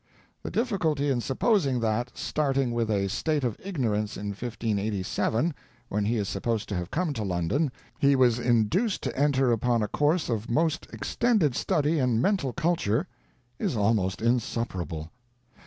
The difficulty in supposing that, starting with a state of ignorance in 1587, when he is supposed to have come to London, he was induced to enter upon a course of most extended study and mental culture, is almost insuperable.